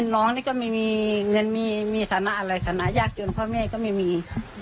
น้องนี่ก็ไม่มีเงินมีฐานะอะไรฐานะยากจนพ่อแม่ก็ไม่มี